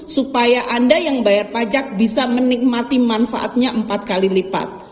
supaya anda yang bayar pajak bisa menikmati manfaatnya empat kali lipat